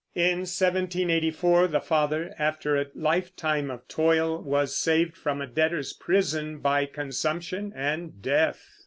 In 1784 the father, after a lifetime of toil, was saved from a debtor's prison by consumption and death.